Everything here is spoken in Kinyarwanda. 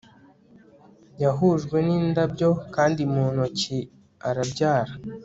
Yahujwe nindabyo kandi mu ntoki arabyara